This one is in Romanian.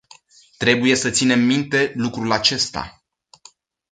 Trebuie să ținem minte lucrul acesta.